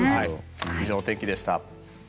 以上、天気でした。